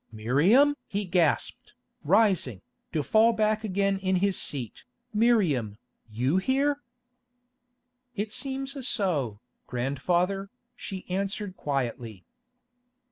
"Miriam?" he gasped, rising, to fall back again in his seat, "Miriam, you here?" "It seems so, grandfather," she answered quietly.